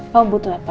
kamu butuh apa